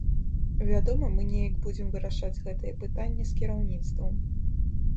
Вядома, мы неяк будзем вырашаць гэтае пытанне з кіраўніцтвам.